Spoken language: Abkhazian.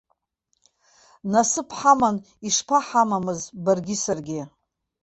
Насыԥ ҳаман, ишԥаҳамамыз баргьы саргьы.